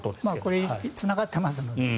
これつながってますので。